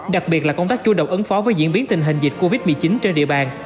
đặc biệt là công tác chú động ứng phó với diễn biến tình hình dịch covid một mươi chín trên địa bàn